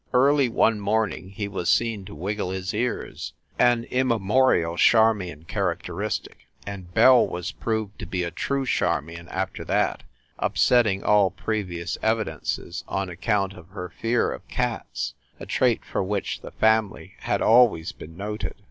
Early one morning he was seen to wiggle his ears an immemorial Char mion characteristic, and Belle was proved to be a true Charmion, after that, upsetting all previous evidences on account of her fear of cats a trait for which the family had always been noted.